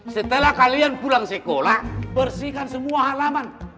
setelah kalian pulang sekolah bersihkan semua halaman